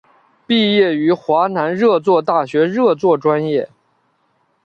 毕业于华南热作大学热作专业。